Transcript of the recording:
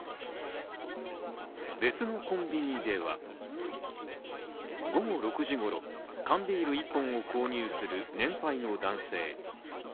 別のコンビニでは午後６時ごろ、缶ビール１本を購入する年配の男性。